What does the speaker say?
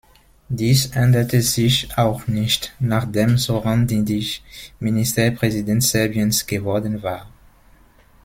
Dies änderte sich auch nicht, nachdem Zoran Đinđić Ministerpräsident Serbiens geworden war.